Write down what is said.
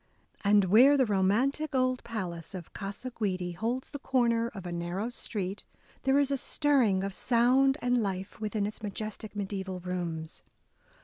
And, where the romantic old palace of Gasa Guidi holds the corner of a narrow street, there is a stirring of sound and life within its majestic mediaeval rooms.